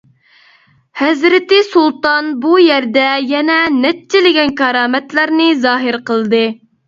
ھەزرىتى سۇلتان بۇ يەردە يەنە نەچچىلىگەن كارامەتلەرنى زاھىر قىلدى.